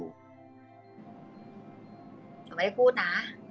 จะไม่ได้พูดนะ